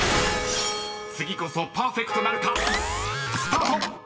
［次こそパーフェクトなるか⁉スタート！］